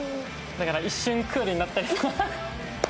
だから一瞬クールになったり。